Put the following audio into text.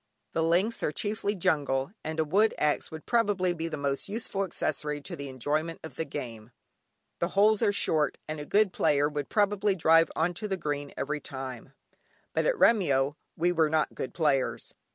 The links are chiefly jungle, and a wood axe would probably be the most useful accessory to the enjoyment of the game. The holes are short, and a good player would probably drive on to the green every time, but at Remyo we were not good players.